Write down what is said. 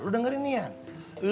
lo dengerin nih yan